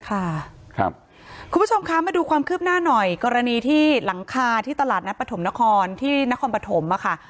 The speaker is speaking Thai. คุณผู้ชมคะมาดูความคืบหน้าหน่อยกรณีที่หลังคาที่ตลาดนัดปฐมนครที่นครปฐมค่ะ